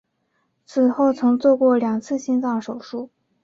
此后又曾做过两次心脏手术。